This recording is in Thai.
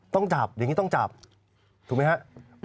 ต้องจับอย่างนี้ต้องจับถูกไหมครับ